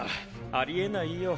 ありえないよ。